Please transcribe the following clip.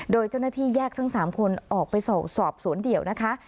โดยเจ้าหน้าที่แยกทั้ง๓คนออกไปสอบสวนเดี่ยวนะคะ